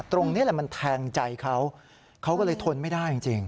ตรงนี้แหละมันแทงใจเขาเขาก็เลยทนไม่ได้จริง